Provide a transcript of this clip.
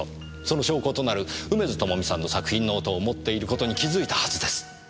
その証拠となる梅津朋美さんの作品ノートを持っていることに気づいたはずです！